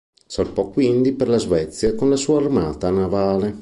Salpò quindi per la Svezia con la sua armata navale.